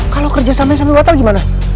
kalau kerjasamanya sampe batal gimana